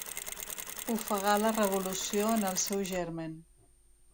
Ofegar la revolució en el seu germen.